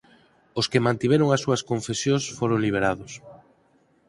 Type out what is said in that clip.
Os que mantiveron as súas "confesións" foron liberados.